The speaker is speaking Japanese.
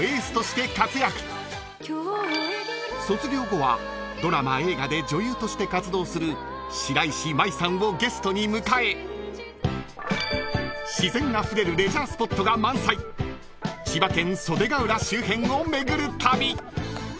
［卒業後はドラマ映画で女優として活動する白石麻衣さんをゲストに迎え自然あふれるレジャースポットが満載千葉県袖ケ浦周辺を巡る旅］